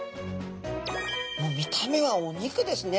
もう見た目はお肉ですね。